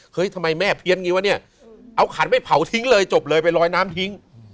ทำไมแม่เพี้ยนไงวะเนี่ยเอาขันไปเผาทิ้งเลยจบเลยไปลอยน้ำทิ้ง